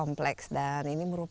namun saat ini tewas itu juga